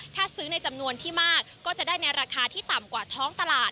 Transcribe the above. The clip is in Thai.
ถ้าซื้อในจำนวนที่มากก็จะได้ในราคาที่ต่ำกว่าท้องตลาด